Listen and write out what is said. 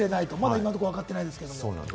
今のところは分かってないですけど。